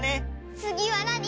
つぎはなに！？